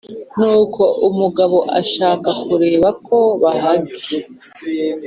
nuko umugabo ashaka kureba ko bahagezr